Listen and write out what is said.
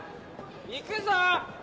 行くぞ！